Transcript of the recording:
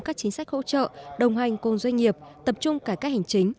các chính sách hỗ trợ đồng hành cùng doanh nghiệp tập trung cải cách hành chính